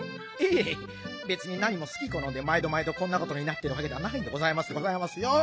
ええべつになにもすきこのんでまいどまいどこんなことになってるわけではないんでございますでございますよ。